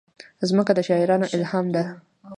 مځکه د شاعرانو الهام ده.